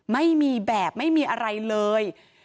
ไม่มีแบบไม่มีอะไรเลย